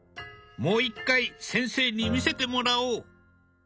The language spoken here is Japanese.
もう１回先生に見せてもらおう。